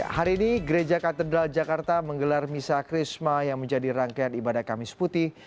hari ini gereja katedral jakarta menggelar misa krisma yang menjadi rangkaian ibadah kamis putih